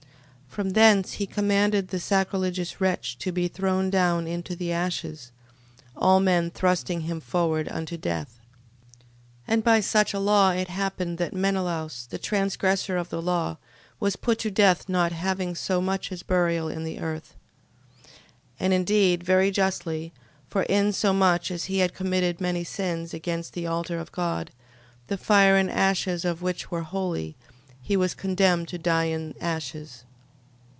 13:6. From thence he commanded the sacrilegious wretch to be thrown down into the ashes, all men thrusting him forward unto death. 13:7. And by such a law it happened that Menelaus the transgressor of the law, was put to death: not having so much as burial in the earth. 13:8. And indeed very justly, for insomuch as he had committed many sins against the altar of God, the fire and ashes of which were holy: he was condemned to die in ashes.